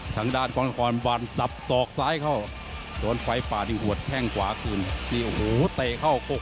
ตอน๓ก็ได้เลือดแล้วครับ